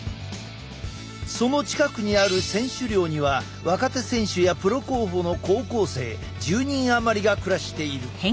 その近くにある選手寮には若手選手やプロ候補の高校生１０人余りが暮らしている。